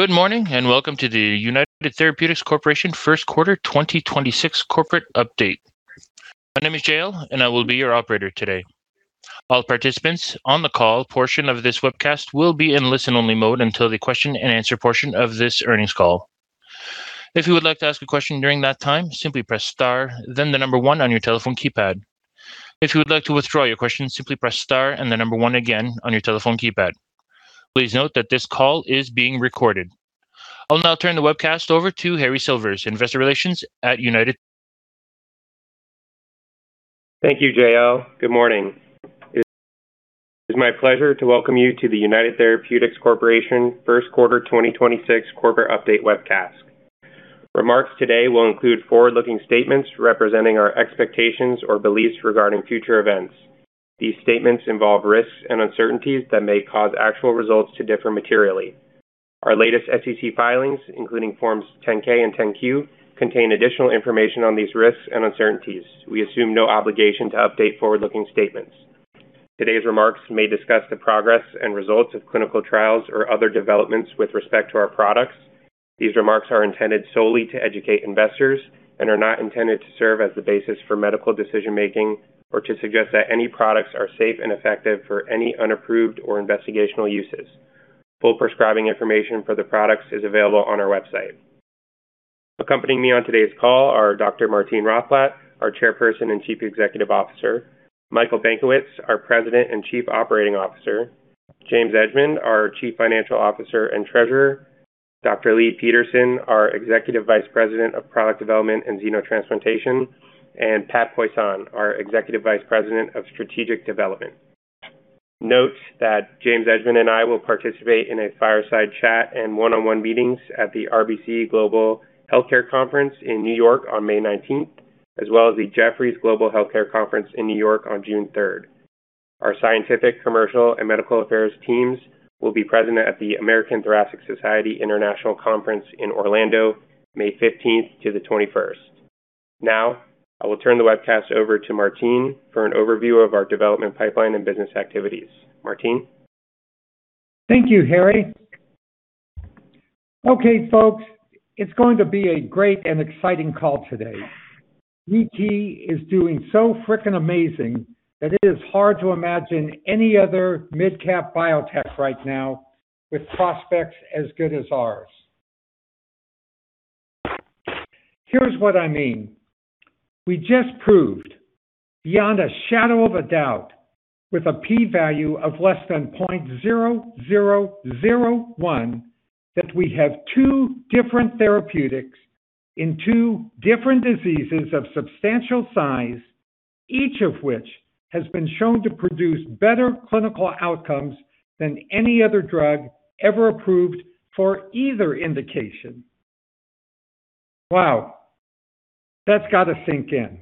Good morning, and welcome to the United Therapeutics Corporation First Quarter 2026 Corporate Update. My name is JL, and I will be your operator today. All participants on the call portion of this webcast will be in listen-only mode until the question-and-answer portion of this earnings call. If you would like to ask a question during that time, simply press star then one on your telephone keypad. If you would like to withdraw your question, simply press star and one again on your telephone keypad. Please note that this call is being recorded. I'll now turn the webcast over to Harry Silvers, Investor Relations at United. Thank you, JL. Good morning. It is my pleasure to welcome you to the United Therapeutics Corporation First Quarter 2026 Corporate Update webcast. Remarks today will include forward-looking statements representing our expectations or beliefs regarding future events. These statements involve risks and uncertainties that may cause actual results to differ materially. Our latest SEC filings, including forms 10-K and 10-Q, contain additional information on these risks and uncertainties. We assume no obligation to update forward-looking statements. Today's remarks may discuss the progress and results of clinical trials or other developments with respect to our products. These remarks are intended solely to educate investors and are not intended to serve as the basis for medical decision-making or to suggest that any products are safe and effective for any unapproved or investigational uses. Full prescribing information for the products is available on our website. Accompanying me on today's call are Dr. Martine Rothblatt, our Chairperson and Chief Executive Officer, Michael Benkowitz, our President and Chief Operating Officer, James Edgemond, our Chief Financial Officer and Treasurer, Dr. Leigh Peterson, our Executive Vice President of Product Development and Xenotransplantation, and Patrick Poisson, our Executive Vice President of Strategic Development. Note that James Edgemond and I will participate in a fireside chat and one-on-one meetings at the RBC Global Healthcare Conference in N.Y. on May 19th, as well as the Jefferies Global Healthcare Conference in New York on June 3rd. Our scientific, commercial, and medical affairs teams will be present at the American Thoracic Society International Conference in Orlando, May 15th to the 21st. Now, I will turn the webcast over to Martine for an overview of our development pipeline and business activities. Martine. Thank you, Harry. Okay, folks, it's going to be a great and exciting call today. UT is doing so freaking amazing that it is hard to imagine any other mid-cap biotech right now with prospects as good as ours. Here's what I mean. We just proved beyond a shadow of a doubt with a P value of less than 0.0001 that we have two different therapeutics in two different diseases of substantial size, each of which has been shown to produce better clinical outcomes than any other drug ever approved for either indication. Wow, that's got to sink in.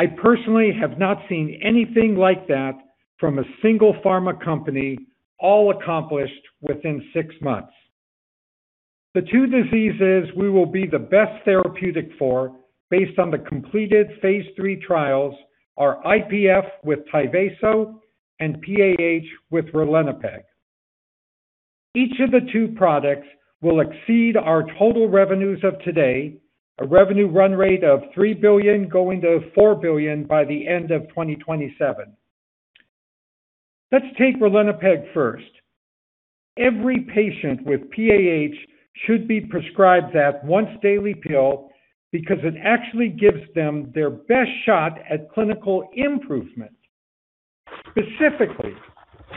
I personally have not seen anything like that from a single pharma company all accomplished within six months. The two diseases we will be the best therapeutic for based on the completed phase III trials are IPF with TYVASO and PAH with Ralinepag. Each of the two products will exceed our total revenues of today, a revenue run rate of $3 billion going to $4 billion by the end of 2027. Let's take Ralinepag first. Every patient with PAH should be prescribed that once-daily pill because it actually gives them their best shot at clinical improvement. Specifically,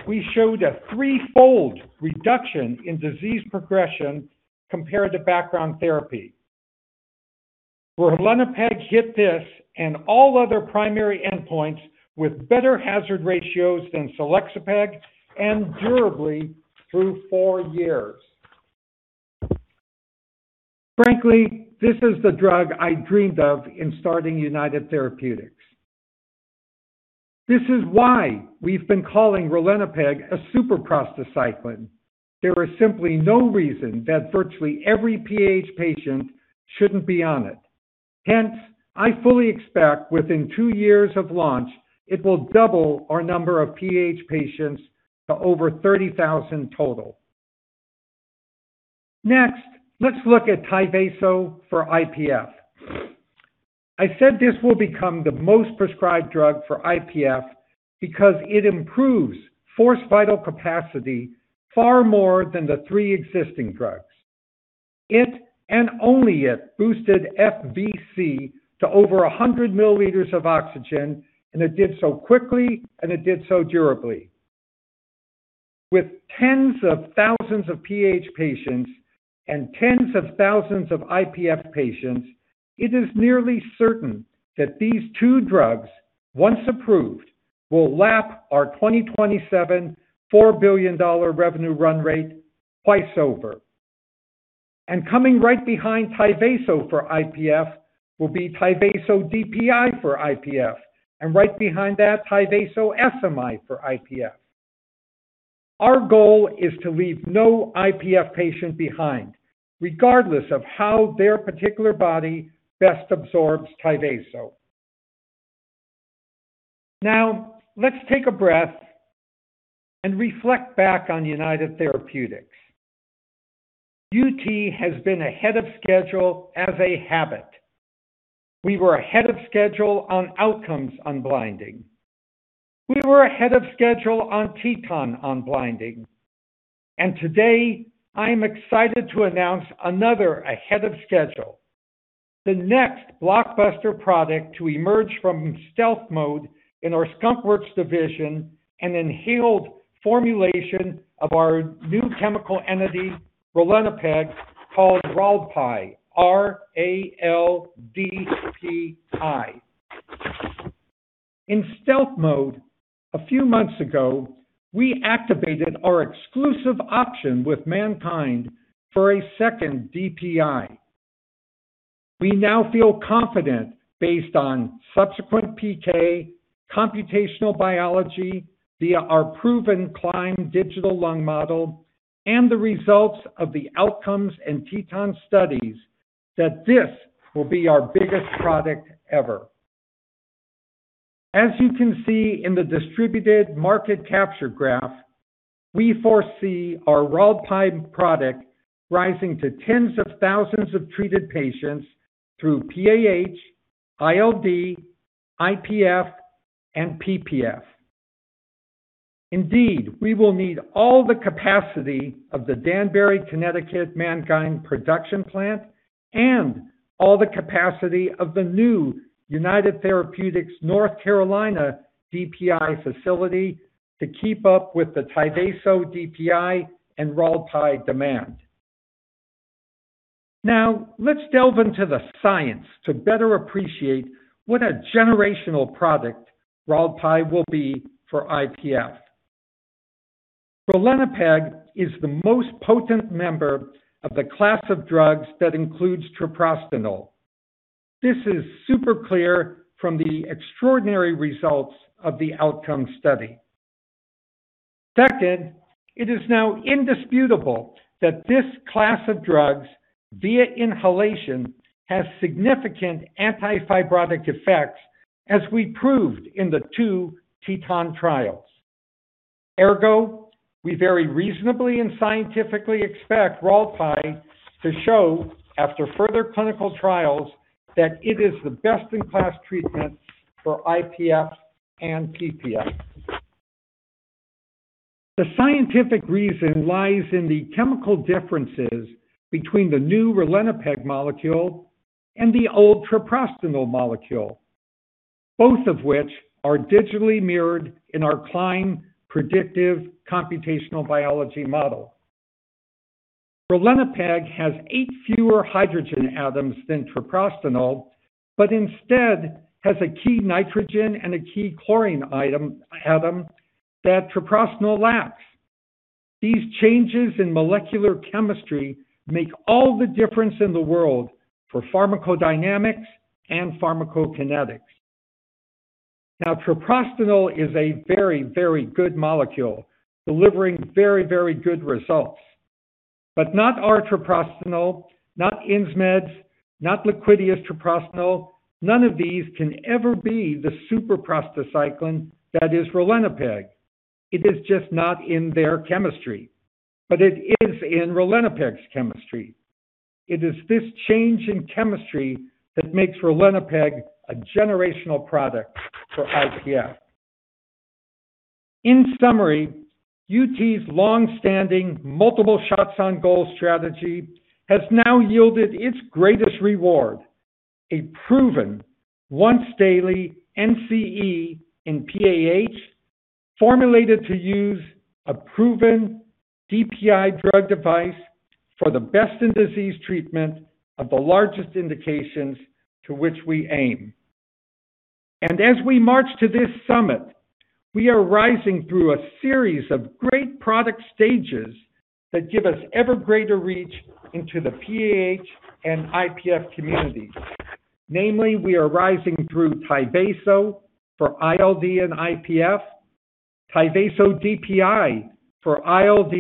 we showed a threefold reduction in disease progression compared to background therapy, where Ralinepag hit this and all other primary endpoints with better hazard ratios than selexipag and durably through four years. Frankly, this is the drug I dreamed of in starting United Therapeutics. This is why we've been calling Ralinepag a super prostacyclin. There is simply no reason that virtually every PAH patient shouldn't be on it. Hence, I fully expect within two years of launch, it will double our number of PAH patients to over 30,000 total. Next, let's look at TYVASO for IPF. I said this will become the most prescribed drug for IPF because it improves forced vital capacity far more than the three existing drugs. It, and only it, boosted FVC to over 100 mL of oxygen, and it did so quickly, and it did so durably. With tens of thousands of PAH patients and tens of thousands of IPF patients, it is nearly certain that these two drugs, once approved, will lap our 2027 $4 billion revenue run rate twice over. Coming right behind TYVASO for IPF will Tyvaso DPI for IPF, and right behind that, Treprostinil SMI for IPF. Our goal is to leave no IPF patient behind, regardless of how their particular body best absorbs TYVASO. Now let's take a breath and reflect back on United Therapeutics. UT has been ahead of schedule as a habit. We were ahead of schedule on OUTCOMES unblinding. We were ahead of schedule on TETON unblinding. Today I'm excited to announce another ahead of schedule. The next blockbuster product to emerge from stealth mode in our Skunk Works division, an inhaled formulation of our new chemical entity, Ralinepag, called raldpi, R-A-L-D-P-I. In stealth mode a few months ago, we activated our exclusive option with MannKind for a second DPI. We now feel confident based on subsequent PK, computational biology via our proven Klein digital lung model, and the results of the OUTCOMES and TETON studies that this will be our biggest product ever. As you can see in the distributed market capture graph, we foresee our raldpi product rising to tens of thousands of treated patients through PAH, ILD, IPF, and PPF. Indeed, we will need all the capacity of the Danbury, Connecticut MannKind production plant and all the capacity of the new United Therapeutics North Carolina DPI facility to keep up with the Tyvaso DPI and Ralinepag demand. Let's delve into the science to better appreciate what a generational product raldpi will be for IPF. Ralinepag is the most potent member of the class of drugs that includes Treprostinil. This is super clear from the extraordinary results of the OUTCOMES study. Second, it is now indisputable that this class of drugs via inhalation has significant anti-fibrotic effects as we proved in the two TETON trials. Ergo, we very reasonably and scientifically expect raldpi to show after further clinical trials that it is the best-in-class treatment for IPF and PPF. The scientific reason lies in the chemical differences between the new Ralinepag molecule and the old Treprostinil molecule, both of which are digitally mirrored in our Klein predictive computational biology model. Ralinepag has eight fewer hydrogen atoms than Treprostinil, instead has a key nitrogen and a key chlorine atom that Treprostinil lacks. These changes in molecular chemistry make all the difference in the world for pharmacodynamics and pharmacokinetics. Treprostinil is a very, very good molecule delivering very, very good results. Not our Treprostinil, not Insmed's, not Liquidia's Treprostinil, none of these can ever be the super prostacyclin that is Ralinepag. It is just not in their chemistry, but it is in Ralinepag's chemistry. It is this change in chemistry that makes Ralinepag a generational product for IPF. In summary, UT's longstanding multiple shots on goal strategy has now yielded its greatest reward, a proven once-daily NCE in PAH formulated to use a proven DPI drug device for the best in disease treatment of the largest indications to which we aim. As we march to this summit, we are rising through a series of great product stages that give us ever greater reach into the PAH and IPF communities. Namely, we are rising through TYVASO for ILD and IPF, Tyvaso DPI for ILD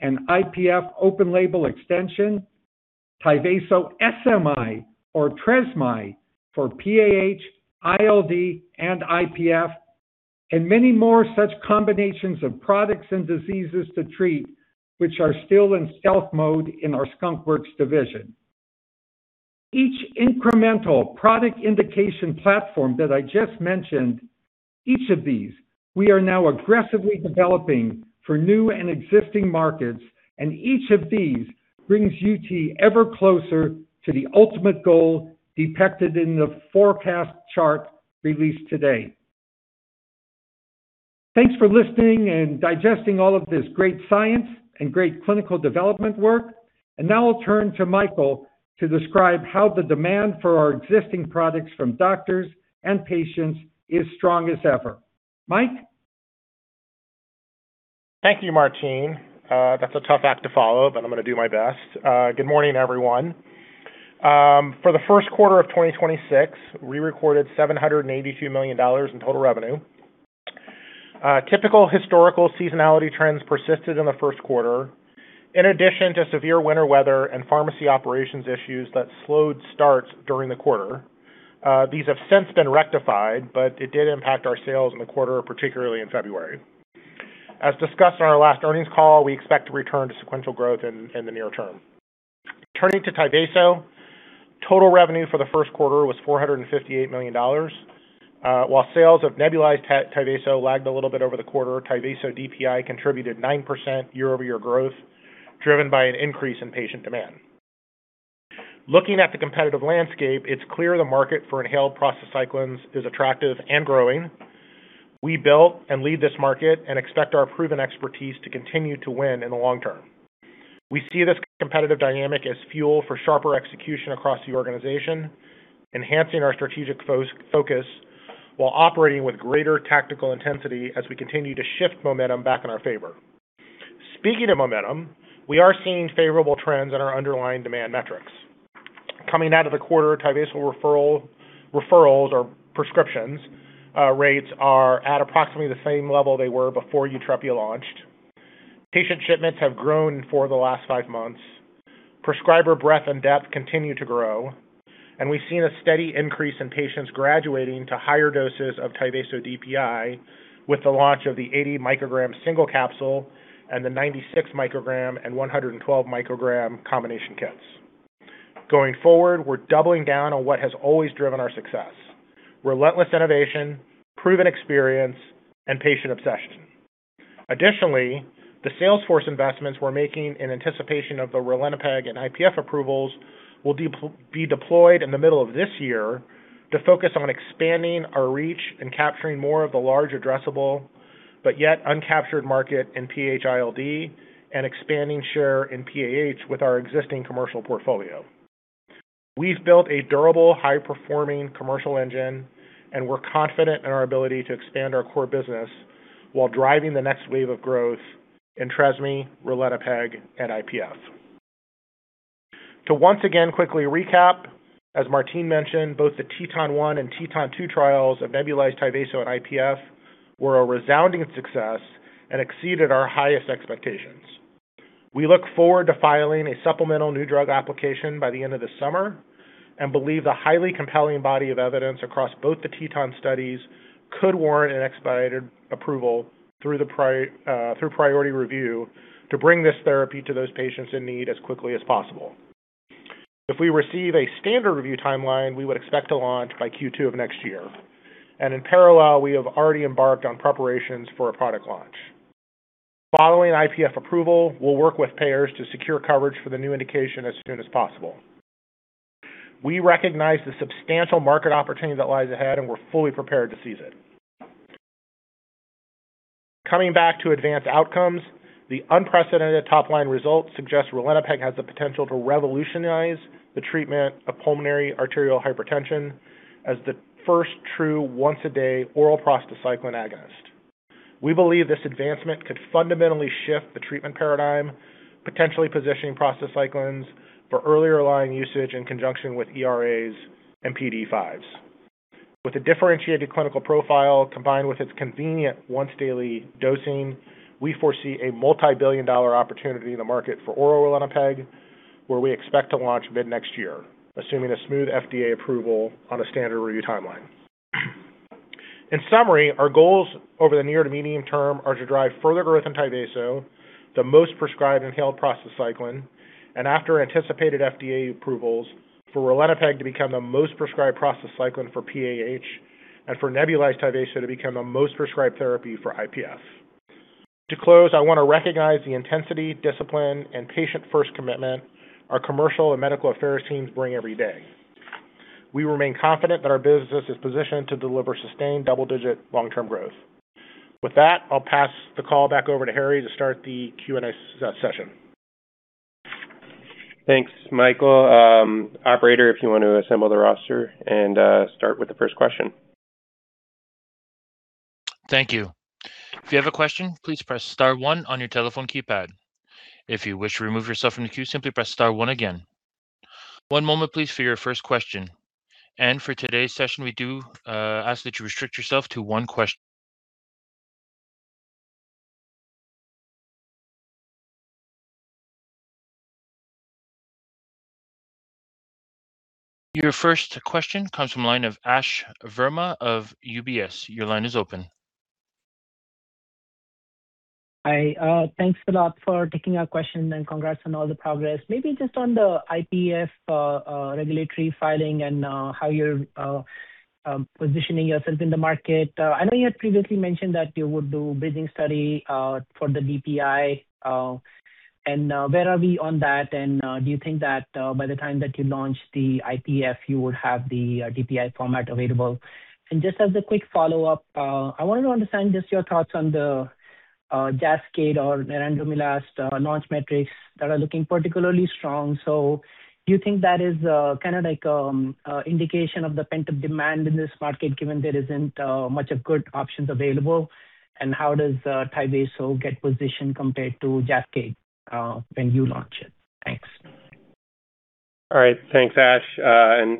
and IPF open label extension, TYVASO SMI or Tresmi for PAH, ILD and IPF, and many more such combinations of products and diseases to treat which are still in stealth mode in our Skunk Works division. Each incremental product indication platform that I just mentioned, each of these we are now aggressively developing for new and existing markets, and each of these brings UT ever closer to the ultimate goal depicted in the forecast chart released today. Thanks for listening and digesting all of this great science and great clinical development work. Now I'll turn to Michael to describe how the demand for our existing products from doctors and patients is strong as ever. Mike? Thank you, Martine. That's a tough act to follow, but I'm gonna do my best. Good morning, everyone. For the first quarter of 2026, we recorded $782 million in total revenue. Typical historical seasonality trends persisted in the first quarter, in addition to severe winter weather and pharmacy operations issues that slowed starts during the quarter. These have since been rectified, it did impact our sales in the quarter, particularly in February. As discussed on our last earnings call, we expect to return to sequential growth in the near term. Turning to TYVASO, total revenue for the first quarter was $458 million. While sales of nebulized TYVASO lagged a little bit over the quarter, Tyvaso DPI contributed 9% year-over-year growth, driven by an increase in patient demand. Looking at the competitive landscape, it's clear the market for inhaled prostacyclins is attractive and growing. We built and lead this market and expect our proven expertise to continue to win in the long term. We see this competitive dynamic as fuel for sharper execution across the organization, enhancing our strategic focus while operating with greater tactical intensity as we continue to shift momentum back in our favor. Speaking of momentum, we are seeing favorable trends in our underlying demand metrics. Coming out of the quarter, TYVASO referrals or prescriptions rates are at approximately the same level they were before Yutrepia launched. Patient shipments have grown for the last five months. Prescriber breadth and depth continue to grow. We've seen a steady increase in patients graduating to higher doses of Tyvaso DPI with the launch of the 80 mcg single capsule and the 96 mcg and 112 mcg combination kits. Going forward, we're doubling down on what has always driven our success. Relentless innovation, proven experience, and patient obsession. Additionally, the sales force investments we're making in anticipation of the Ralinepag and IPF approvals will be deployed in the middle of this year to focus on expanding our reach and capturing more of the large addressable but yet uncaptured market in PH-ILD and expanding share in PAH with our existing commercial portfolio. We've built a durable, high-performing commercial engine. We're confident in our ability to expand our core business while driving the next wave of growth in Tresmi, Ralinepag and IPF. To once again quickly recap, as Martine mentioned, both the TETON-1 and TETON-2 trials of nebulized TYVASO and IPF were a resounding success and exceeded our highest expectations. We look forward to filing a supplemental new drug application by the end of the summer and believe the highly compelling body of evidence across both the TETON studies could warrant an expedited approval through priority review to bring this therapy to those patients in need as quickly as possible. If we receive a standard review timeline, we would expect to launch by Q2 of next year. In parallel, we have already embarked on preparations for a product launch. Following IPF approval, we will work with payers to secure coverage for the new indication as soon as possible. We recognize the substantial market opportunity that lies ahead, and we are fully prepared to seize it. Coming back to advent OUTCOMES, the unprecedented top-line results suggest Ralinepag has the potential to revolutionize the treatment of pulmonary arterial hypertension as the first true once-a-day oral prostacyclin agonist. We believe this advancement could fundamentally shift the treatment paradigm, potentially positioning prostacyclins for earlier line usage in conjunction with ERAs and PDE5s. With a differentiated clinical profile combined with its convenient once-daily dosing, we foresee a multi-billion dollar opportunity in the market for oral Ralinepag, where we expect to launch mid-next year, assuming a smooth FDA approval on a standard review timeline. In summary, our goals over the near to medium term are to drive further growth in TYVASO, the most prescribed inhaled prostacyclin, and after anticipated FDA approvals for Ralinepag to become the most prescribed prostacyclin for PAH and for nebulized TYVASO to become the most prescribed therapy for IPF. To close, I wanna recognize the intensity, discipline, and patient-first commitment our commercial and medical affairs teams bring every day. We remain confident that our business is positioned to deliver sustained double-digit long-term growth. With that, I'll pass the call back over to Harry to start the Q&A session. Thanks, Michael. Operator, if you want to assemble the roster and start with the first question. Thank you. If you have a question, please press star one on your telephone keypad. If you wish to remove yourself from the queue, simply press star one again. One moment please for your first question. For today's session, we do ask that you restrict yourself to one question. Your first question comes from line of Ash Verma of UBS. Your line is open. Hi, thanks a lot for taking our question and congrats on all the progress. Maybe just on the IPF regulatory filing and how you're positioning yourself in the market. I know you had previously mentioned that you would do bridging study for the DPI and where are we on that? Do you think that by the time that you launch the IPF, you would have the DPI format available? Just as a quick follow-up, I wanted to understand just your thoughts on the JASCAYD or nerandomilast launch metrics that are looking particularly strong. Do you think that is kinda like indication of the pent-up demand in this market, given there isn't much of good options available? How does TYVASO get positioned compared to JASCAYD when you launch it? Thanks. All right, thanks, Ash.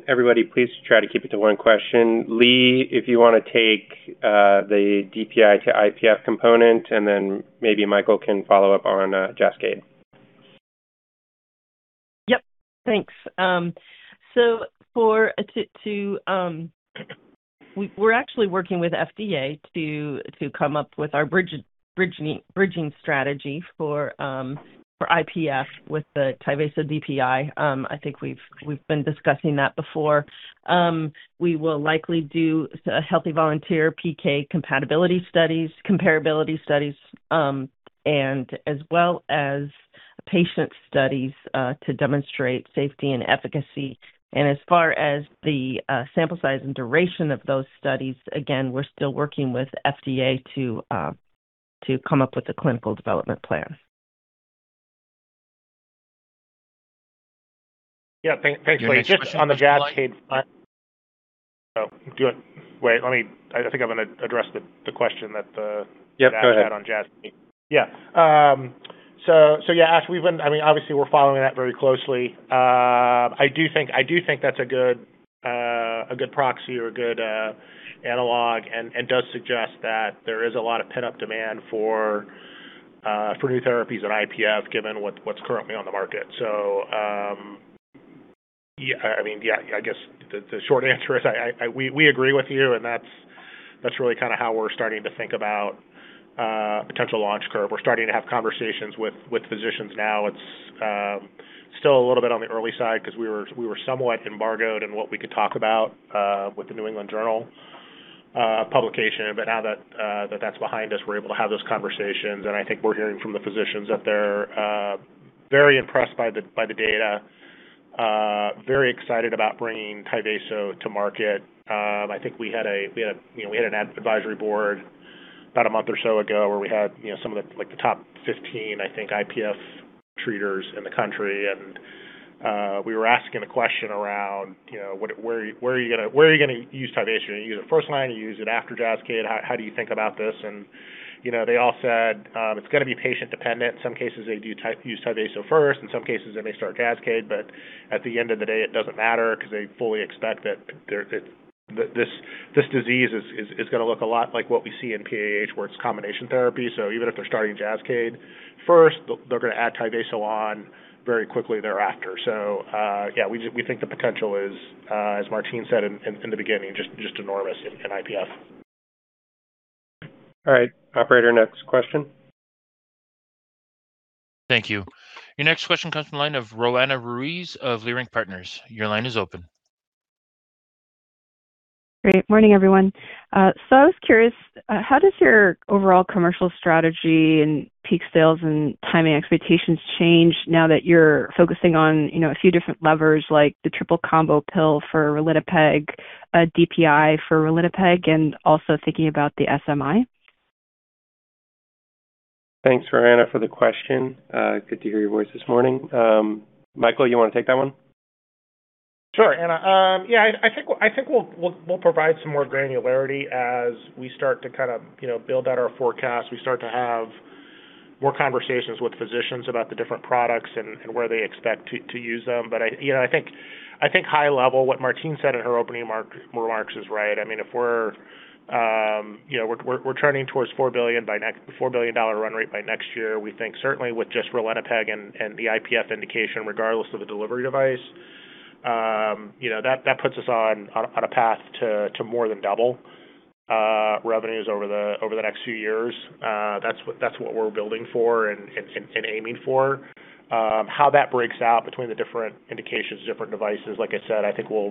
Everybody please try to keep it to one question. Lee, if you wanna take the DPI to IPF component, and then maybe Michael can follow up on JASCAYD. Yep. Thanks. We're actually working with FDA to come up with our bridging strategy for IPF with the Tyvaso DPI. I think we've been discussing that before. We will likely do a healthy volunteer PK compatibility studies, comparability studies, and as well as patient studies to demonstrate safety and efficacy. As far as the sample size and duration of those studies, again, we're still working with FDA to come up with a Clinical Development Plan. Yeah. Thanks, Leigh. Just on the JASCAYD front. Do it. Wait, let me I think I'm gonna address the question that. Yep, go ahead. Ash had on JASCAYD. Yeah. Yeah, Ash, I mean, obviously we're following that very closely. I do think that's a good, a good proxy or a good analog and does suggest that there is a lot of pent-up demand for new therapies in IPF given what's currently on the market. Yeah, I mean, yeah, I guess the short answer is I, we agree with you, and that's really kinda how we're starting to think about potential launch curve. We're starting to have conversations with physicians now. It's still a little bit on the early side 'cause we were somewhat embargoed in what we could talk about with The New England Journal publication. Now that that's behind us, we're able to have those conversations. I think we're hearing from the physicians that they're very impressed by the data, very excited about bringing TYVASO to market. I think we had a, you know, we had an advisory board about a month or so ago where we had, you know, some of the, like, the top 15, I think, IPF treaters in the country. We were asking a question around, you know, what, where are you gonna use TYVASO? Are you gonna use it first line? Are you gonna use it after JASCAYD? How do you think about this? You know, they all said, it's gonna be patient-dependent. Some cases they do use TYVASO first. In some cases, they may start JASCAYD. At the end of the day, it doesn't matter 'cause they fully expect that this disease is gonna look a lot like what we see in PAH, where it's combination therapy. Even if they're starting JASCAYD first, they're gonna add TYVASO on very quickly thereafter. Yeah, we think the potential is, as Martine said in the beginning, just enormous in IPF. All right. Operator, next question. Thank you. Your next question comes from the line of Roanna Ruiz of Leerink Partners. Your line is open. Great. Morning, everyone. I was curious, how does your overall commercial strategy and peak sales and timing expectations change now that you're focusing on, you know, a few different levers, like the triple combo pill for Ralinepag, a DPI for Ralinepag, and also thinking about the SMI? Thanks, Roanna, for the question. good to hear your voice this morning. Michael, you wanna take that one? Sure. I think we'll provide some more granularity as we start to kind of, you know, build out our forecast. We start to have more conversations with physicians about the different products and where they expect to use them. I, you know, I think high level, what Martine said in her opening remarks is right. I mean, if we're, you know, we're turning towards $4 billion dollar run rate by next year. We think certainly with just Ralinepag and the IPF indication, regardless of the delivery device, you know, that puts us on a path to more than double revenues over the next few years. That's what we're building for and aiming for. How that breaks out between the different indications, different devices, like I said, I think we'll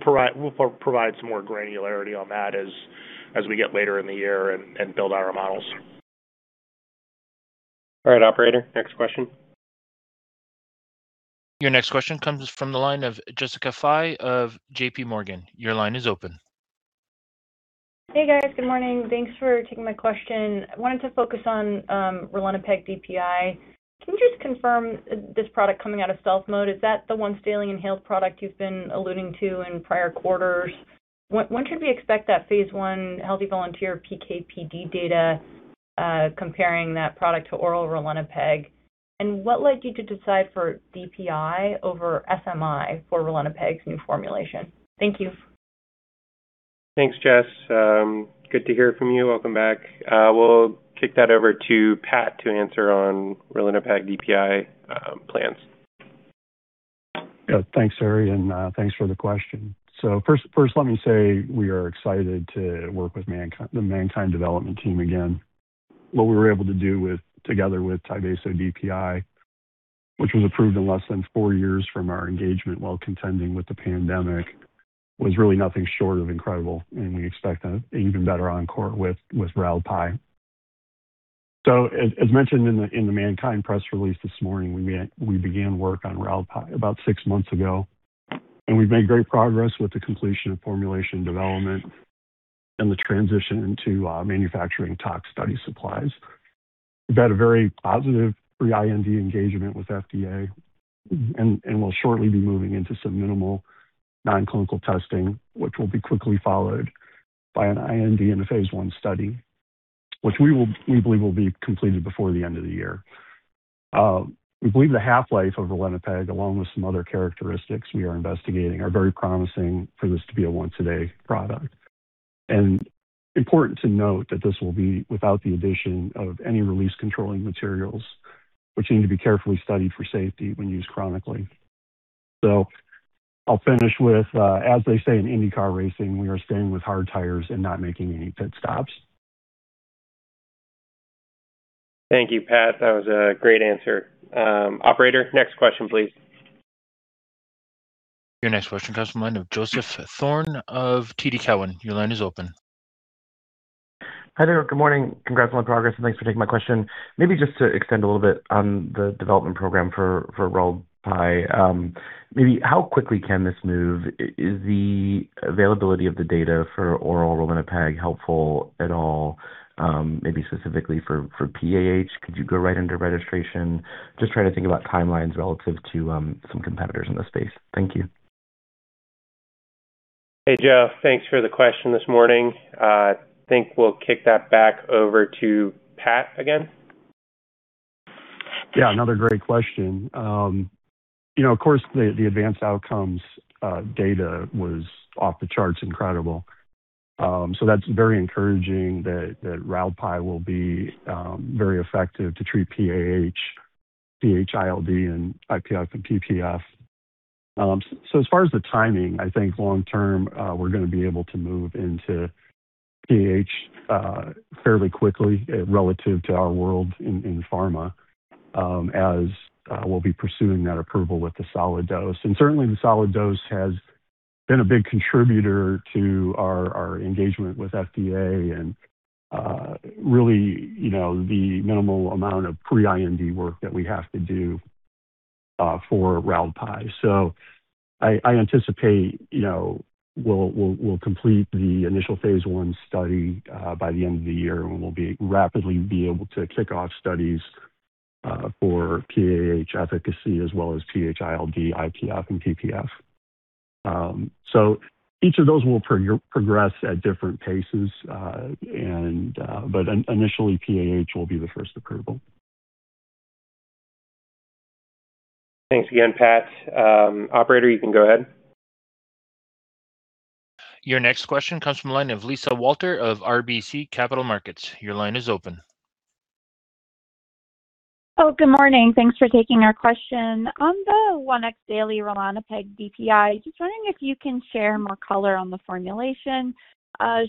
provide some more granularity on that as we get later in the year and build out our models. All right, Operator, next question. Your next question comes from the line of Jessica Fye of JPMorgan. Your line is open. Hey, guys. Good morning. Thanks for taking my question. I wanted to focus on Ralinepag DPI. Can you just confirm this product coming out of stealth mode, is that the once-daily inhaled product you've been alluding to in prior quarters? When should we expect that phase I healthy volunteer PK/PD data comparing that product to oral Ralinepag? What led you to decide for DPI over SMI for Ralinepag's new formulation? Thank you. Thanks, Jess. Good to hear from you. Welcome back. We'll kick that over to Pat to answer on Ralinepag DPI plans. Yeah. Thanks, Harry, and thanks for the question. First, let me say we are excited to work with the MannKind development team again. What we were able to do with, together with Tyvaso DPI, which was approved in less than four years from our engagement while contending with the pandemic, was really nothing short of incredible, and we expect a even better encore with raldpi. As mentioned in the MannKind press release this morning, we began work on raldpi about six months ago, and we've made great progress with the completion of formulation development and the transition into manufacturing tox study supplies. We've had a very positive pre-IND engagement with FDA and we'll shortly be moving into some minimal non-clinical testing, which will be quickly followed by an IND and a phase I study. Which we will, we believe will be completed before the end of the year. We believe the half-life of Ralinepag, along with some other characteristics we are investigating, are very promising for this to be a once-a-day product. Important to note that this will be without the addition of any release controlling materials, which need to be carefully studied for safety when used chronically. I'll finish with, as they say in IndyCar racing, we are staying with hard tires and not making any pit stops. Thank you, Pat. That was a great answer. Operator, next question, please. Your next question comes from the line of Joseph Thome of TD Cowen. Your line is open. Hi there. Good morning. Congrats on progress, and thanks for taking my question. Maybe just to extend a little bit on the development program for raldpi. Maybe how quickly can this move? Is the availability of the data for oral Ralinepag helpful at all, maybe specifically for PAH? Could you go right into registration? Just trying to think about timelines relative to some competitors in this space. Thank you. Hey, Joe. Thanks for the question this morning. I think we'll kick that back over to Pat again. Yeah, another great question. You know, of course, the ADVANCE OUTCOMES data was off the charts incredible. That's very encouraging that raldpi will be very effective to treat PAH, PH-ILD, and IPF and PPF. As far as the timing, I think long term, we're gonna be able to move into PAH fairly quickly relative to our world in pharma, as we'll be pursuing that approval with the solid dose. Certainly, the solid dose has been a big contributor to our engagement with FDA and really, you know, the minimal amount of pre-IND work that we have to do for raldpi. I anticipate, you know, we'll complete the initial phase I study by the end of the year. We'll rapidly be able to kick off studies for PAH efficacy as well as PH-ILD, IPF, and PPF. Each of those will progress at different paces, and initially, PAH will be the first approval. Thanks again, Pat. Operator, you can go ahead. Your next question comes from a line of Lisa Walter of RBC Capital Markets. Your line is open. Good morning. Thanks for taking our question. On the once daily Ralinepag DPI, just wondering if you can share more color on the formulation.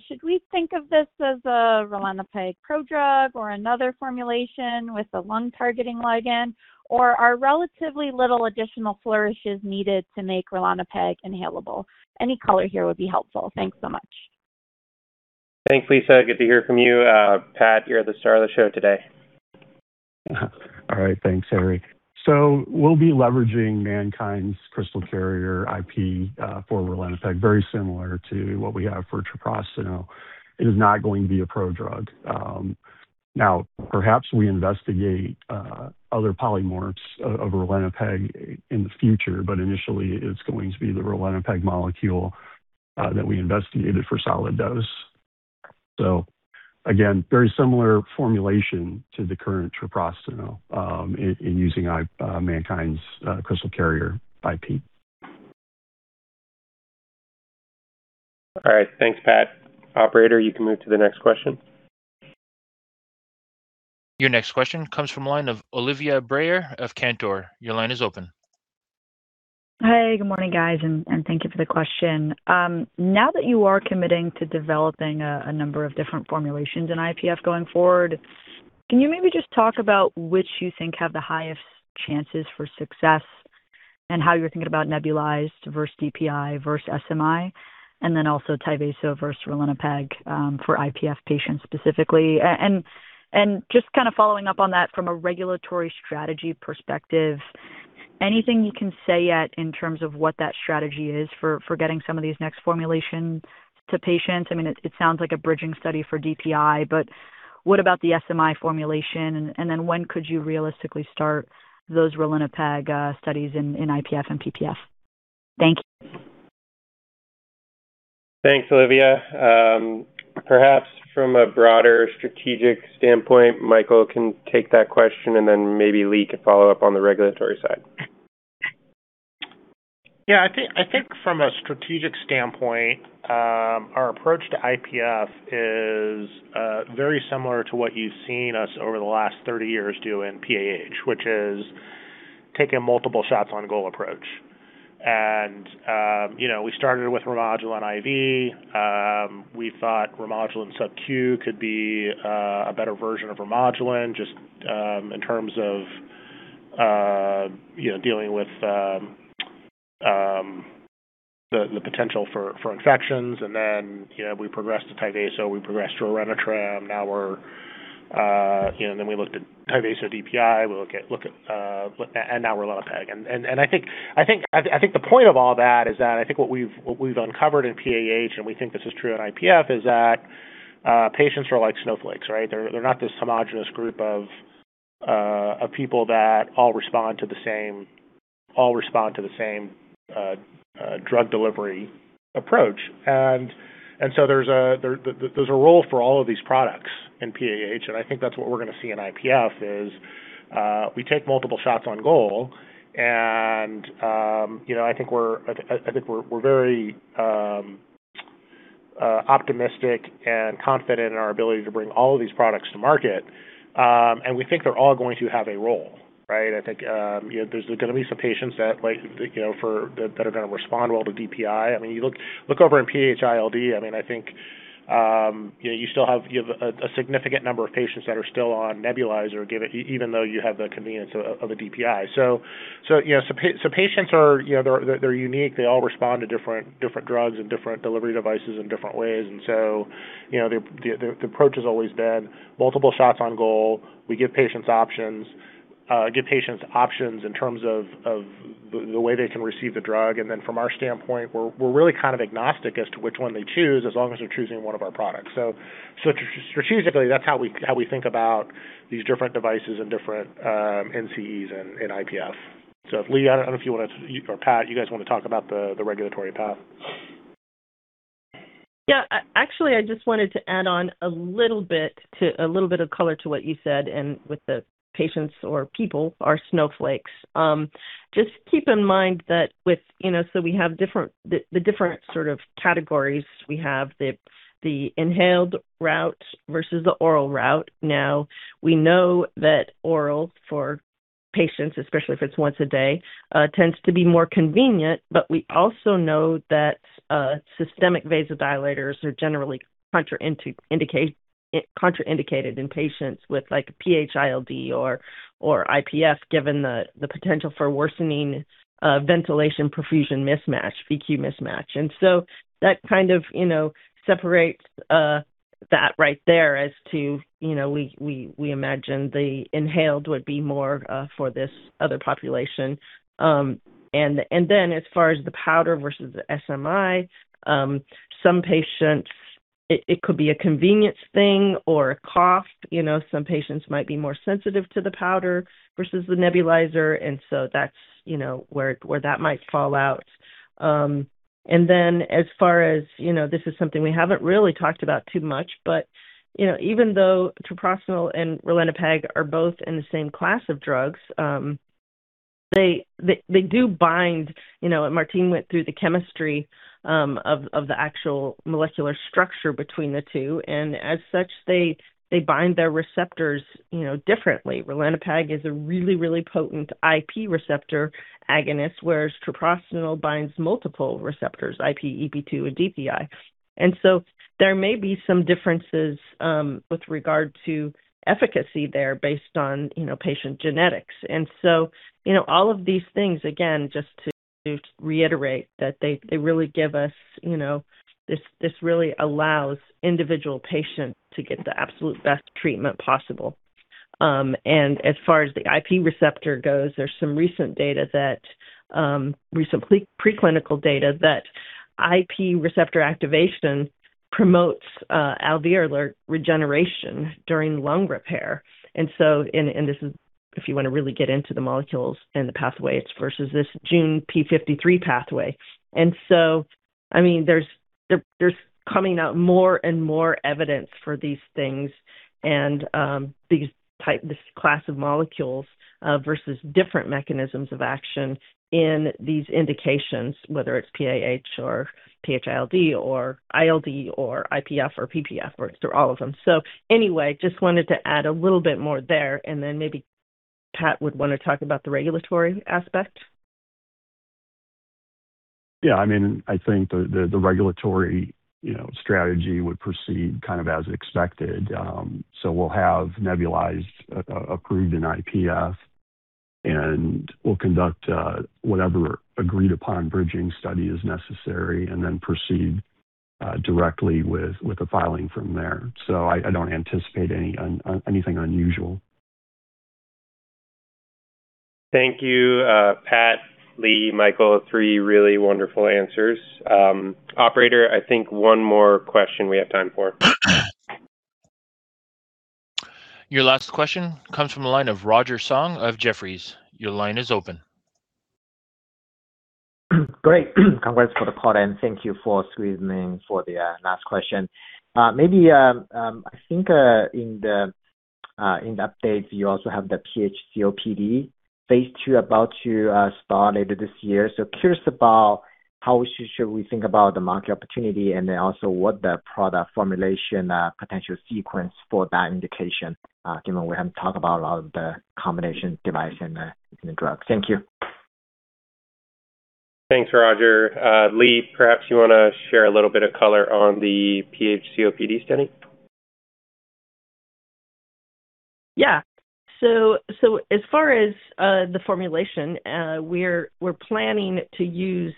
Should we think of this as a Ralinepag prodrug or another formulation with a lung-targeting ligand? Are relatively little additional flourishes needed to make Ralinepag inhalable? Any color here would be helpful. Thanks so much. Thanks, Lisa. Good to hear from you. Pat, you're the star of the show today. All right. Thanks, Harry. We'll be leveraging MannKind's Crystal Carrier IP for Ralinepag, very similar to what we have for Treprostinil. It is not going to be a pro drug. Now, perhaps we investigate other polymorphs of Ralinepag in the future, but initially it's going to be the Ralinepag molecule that we investigated for solid dose. Again, very similar formulation to the current Treprostinil, in using MannKind's Crystal Carrier IP. All right. Thanks, Pat. Operator, you can move to the next question. Your next question comes from line of Olivia Brayer of Cantor. Your line is open. Hey. Good morning, guys, and thank you for the question. Now that you are committing to developing a number of different formulations in IPF going forward, can you maybe just talk about which you think have the highest chances for success and how you're thinking about nebulized versus DPI versus SMI and then also TYVASO versus Ralinepag for IPF patients specifically? Just kind of following up on that from a regulatory strategy perspective, anything you can say yet in terms of what that strategy is for getting some of these next formulations to patients? I mean, it sounds like a bridging study for DPI, but what about the SMI formulation? Then when could you realistically start those Ralinepag studies in IPF and PPF? Thank you. Thanks, Olivia. Perhaps from a broader strategic standpoint, Michael can take that question and then maybe Leigh could follow up on the regulatory side. Yeah. I think from a strategic standpoint, our approach to IPF is very similar to what you've seen us over the last 30 years do in PAH, which is take a multiple shots on goal approach. You know, we started with Remodulin IV. We thought Remodulin subQ could be a better version of Remodulin just in terms of, you know, dealing with the potential for infections. You know, we progressed to Tyvaso, we progressed to Orenitram. Now we're, you know, we looked at Tyvaso DPI. We look at, and now Ralinepag. I think the point of all that is that I think what we've uncovered in PAH, and we think this is true in IPF, is that patients are like snowflakes, right? They're not this homogenous group of people that all respond to the same drug delivery approach. There's a role for all of these products in PAH, and I think that's what we're gonna see in IPF is, we take multiple shots on goal and, you know, I think we're very optimistic and confident in our ability to bring all of these products to market. We think they're all going to have a role, right? I think, you know, there's gonna be some patients that like, you know, that are gonna respond well to DPI. I mean, you look over in PH-ILD, I mean, I think, you know, you still have a significant number of patients that are still on nebulizer even though you have the convenience of a DPI. So, you know, patients are, you know, they're unique. They all respond to different drugs and different delivery devices in different ways. You know, the approach has always been multiple shots on goal. We give patients options, give patients options in terms of the way they can receive the drug. From our standpoint, we're really kind of agnostic as to which one they choose as long as they're choosing one of our products. Strategically, that's how we think about these different devices and different NCEs in IPF. If Leigh, I don't know if you wanna, or Patrick, you guys wanna talk about the regulatory path. Yeah. Actually, I just wanted to add on a little bit to, a little bit of color to what you said and with the patients or people are snowflakes. Just keep in mind that with so we have different, the different sort of categories. We have the inhaled route versus the oral route. Now, we know that oral for patients, especially if it's once a day, tends to be more convenient, but we also know that systemic vasodilators are generally contraindicated in patients with like PH-ILD or IPF given the potential for worsening ventilation perfusion mismatch, VQ mismatch. That kind of separates that right there as to we imagine the inhaled would be more for this other population. Then as far as the powder versus the SMI, some patients, it could be a convenience thing or a cough. You know, some patients might be more sensitive to the powder versus the nebulizer. That's, you know, where that might fall out. Then as far as, you know, this is something we haven't really talked about too much, but, you know, even though Treprostinil and Ralinepag are both in the same class of drugs, they do bind, you know. Martine went through the chemistry of the actual molecular structure between the two. As such, they bind their receptors, you know, differently. Ralinepag is a really potent IP receptor agonist, whereas Treprostinil binds multiple receptors, IP, EP2, and DPI. There may be some differences with regard to efficacy there based on, you know, patient genetics. You know, all of these things, again, just to reiterate that they really give us, you know, this really allows individual patient to get the absolute best treatment possible. As far as the IP receptor goes, there's some recent data that recent preclinical data that IP receptor activation promotes alveolar regeneration during lung repair. This is if you want to really get into the molecules and the pathways versus this Jun/p53 pathway. I mean, there's coming out more and more evidence for these things and this class of molecules versus different mechanisms of action in these indications, whether it's PAH or PH-ILD or ILD or IPF or PPF or all of them. Anyway, just wanted to add a little bit more there, and then maybe Pat would wanna talk about the regulatory aspect. Yeah. I mean, I think the regulatory, you know, strategy would proceed kind of as expected. We'll have nebulized approved in IPF, and we'll conduct whatever agreed upon bridging study is necessary and then proceed directly with a filing from there. I don't anticipate anything unusual. Thank you, Pat, Leigh, Michael. Three really wonderful answers. Operator, I think one more question we have time for. Your last question comes from the line of Roger Song of Jefferies. Your line is open. Great. Congrats for the call and thank you for squeezing me in for the last question. Maybe, I think, in the in the updates, you also have the PH-COPD phase II about to start later this year. Curious about how should we think about the market opportunity and then also what the product formulation potential sequence for that indication, given we haven't talked about a lot of the combination device and the drug? Thank you. Thanks, Roger. Leigh, perhaps you wanna share a little bit of color on the PH-COPD study? As far as the formulation, we're planning to use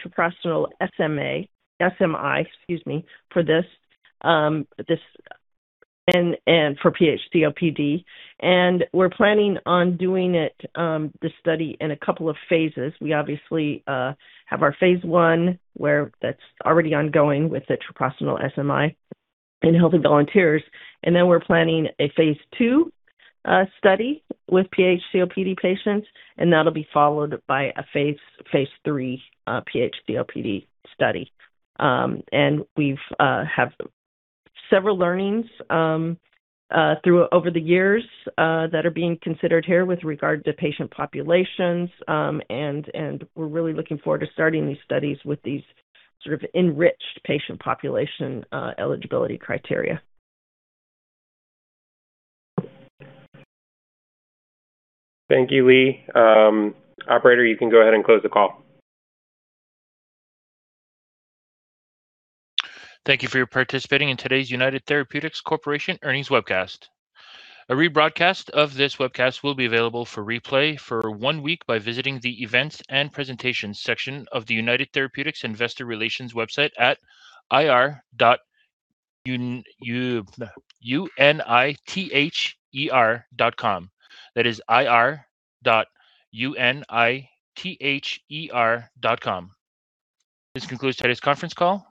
Treprostinil SMI, excuse me, for this and for PH-COPD. We're planning on doing the study in a couple of phases. We obviously have our phase I where that's already ongoing with the Treprostinil SMI in healthy volunteers. We're planning a phase II study with PH-COPD patients, and that'll be followed by a phase III PH-COPD study. We've have several learnings over the years that are being considered here with regard to patient populations. We're really looking forward to starting these studies with these sort of enriched patient population eligibility criteria. Thank you, Leigh. Operator, you can go ahead and close the call. Thank you for participating in today's United Therapeutics Corporation earnings webcast. A rebroadcast of this webcast will be available for replay for one week by visiting the Events and Presentation section of the United Therapeutics Investor Relations website at ir.unither.com. That is ir.unither.com. This concludes today's conference call.